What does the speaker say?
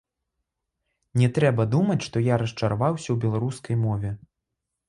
Не трэба думаць, што я расчараваўся ў беларускай мове.